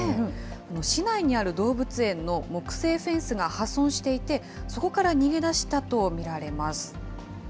市内にある動物園の木製フェンスが破損していて、そこから逃げ出したと見られます。